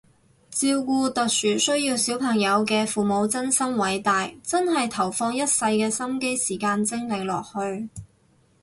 照顧特殊需要小朋友嘅父母真心偉大，真係投放一世嘅心機時間精力落去